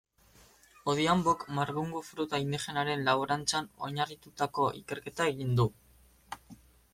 Odhiambok marbungu fruta indigenaren laborantzan oinarritututako ikerketa egin du.